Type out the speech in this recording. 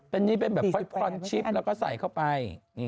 เป็นนี่เป็นแบบพรชิปแล้วก็ใส่เข้าไป